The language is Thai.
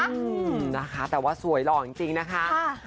อืมนะคะแต่ว่าสวยหล่อจริงนะคะ